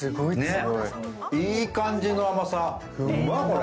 いい感じの甘さ。